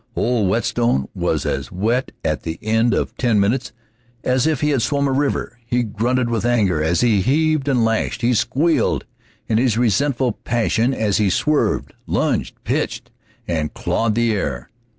Old Whetstone was as wet at the end of ten minutes as if he had swum a river. He grunted with anger as he heaved and lashed, he squealed in his resentful passion as he swerved, lunged, pitched, and clawed the air.